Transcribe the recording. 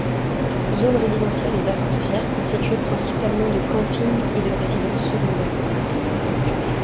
Zone résidentielle et vacancière constituée principalement de campings et de résidences secondaires.